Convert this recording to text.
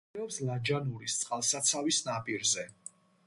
მდებარეობს ლაჯანურის წყალსაცავის ნაპირზე.